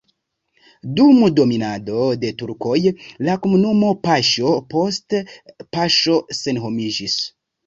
Dum dominado de turkoj la komunumo paŝo post paŝo senhomiĝis.